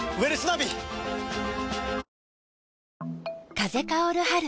風薫る春。